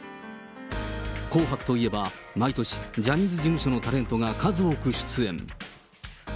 紅白といえば毎年、ジャニーズ事務所のタレントが数多く出演。